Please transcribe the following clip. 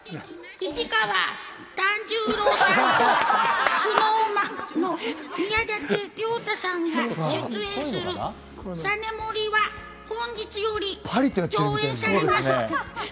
市川團十郎さんとＳｎｏｗＭａｎの宮舘涼太さんが出演する『ＳＡＮＥＭＯＲＩ』は本日より上演されます。